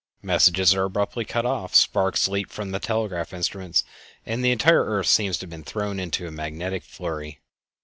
Messages are abruptly cut off, sparks leap from the telegraph instruments, and the entire earth seems to have been thrown into a magnetic flurry.